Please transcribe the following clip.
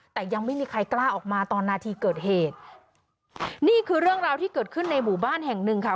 แต่ยังไม่มีใครกล้าออกมาตอนนาทีเกิดเหตุนี่คือเรื่องราวที่เกิดขึ้นในหมู่บ้านแห่งหนึ่งค่ะ